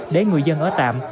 để người dân ở tạm